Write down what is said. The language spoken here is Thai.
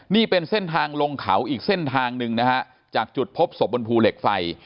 นี่เป็นเส้นทางลงเขาอีกเส้นทางหนึ่งนะฮะจากจุดพบศพบนภูเหล็กไฟ